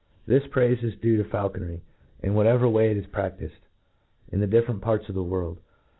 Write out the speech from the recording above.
This praife is due to faulconry, m whatever way it is praftifed in the different parts of the world.